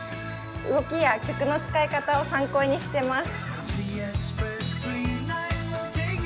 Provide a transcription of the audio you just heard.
動きや曲の使い方を参考にしています。